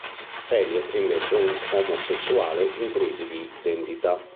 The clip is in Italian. Eliot è invece un omosessuale in crisi di identità.